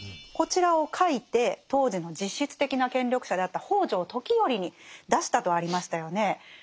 こちらを書いて当時の実質的な権力者であった北条時頼に出したとありましたよね。